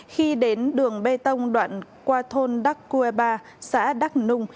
khi đến đường bê tông đoạn qua thôn đắk cua ba xã đắk nung